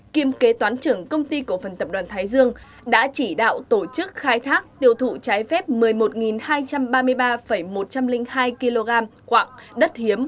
kiêm kế toán trưởng công ty cổ phần tập đoàn thái dương đã chỉ đạo tổ chức khai thác tiêu thụ trái phép một mươi một hai trăm ba mươi ba một trăm linh hai kg quạng đất hiếm